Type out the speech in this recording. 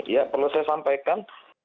ya perlu saya sampaikan